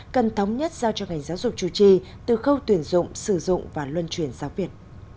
cần thống nhất giao cho ngành giáo dục chủ trì từ khâu tuyển dụng sử dụng và luân chuyển giáo viên